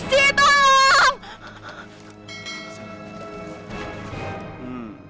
tidak ada vaksin tolong